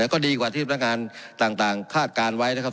ก็ดีกว่าที่พนักงานต่างคาดการณ์ไว้นะครับ